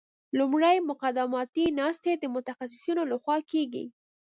لومړی مقدماتي ناستې د متخصصینو لخوا کیږي